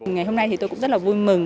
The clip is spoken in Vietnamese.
ngày hôm nay thì tôi cũng rất là vui mừng